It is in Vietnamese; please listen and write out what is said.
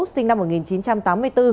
sinh năm một nghìn chín trăm tám mươi bốn